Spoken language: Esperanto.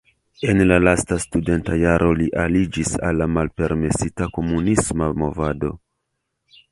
En la lasta studenta jaro li aliĝis al la malpermesita komunisma movado.